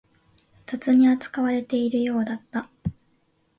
雑に扱われているようだった